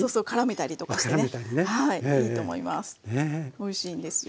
おいしいんですよ。